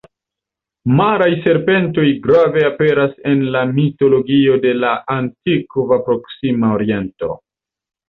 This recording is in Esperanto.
Maraj serpentoj grave aperas en la mitologio de la Antikva Proksima Oriento.